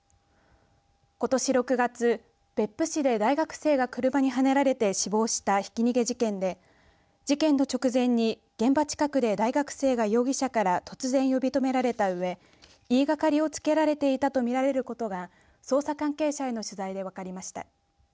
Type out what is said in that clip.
ことし６月別府市で大学生が車にはねられて死亡したひき逃げ事件で事件の直前に現場近くで大学生が容疑者から突然呼び止められたうえ言いがかりをつけられていたと見られることが捜査関係者への取材で分かりました。